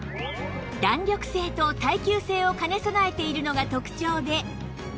弾力性と耐久性を兼ね備えているのが特長で